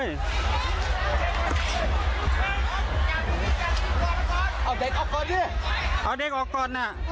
เอาเด็กออกก่อนนะ